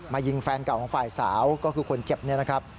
ยิงแฟนเก่าของฝ่ายสาวก็คือคนเจ็บเนี่ยนะครับ